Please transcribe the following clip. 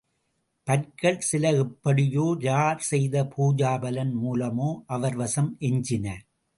பற்கள் சில எப்படியோ, யார் செய்த பூஜாபலன் மூலமோ அவர் வசம் எஞ்சின.